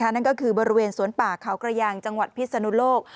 นั่นก็คือบริเวณสวนป่าเขากระยางจังหวัดพิศนุโลก